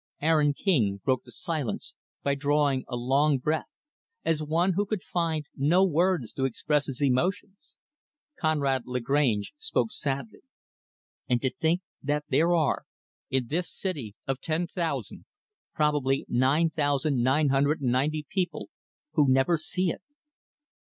Aaron King broke the silence by drawing a long breath as one who could find no words to express his emotions. Conrad Lagrange spoke sadly; "And to think that there are, in this city of ten thousand, probably, nine thousand nine hundred and ninety people who never see it."